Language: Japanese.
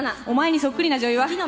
お前にそっくりな女優は？